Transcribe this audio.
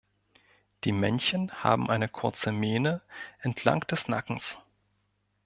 Die Männchen haben eine kurze Mähne entlang des Nackens.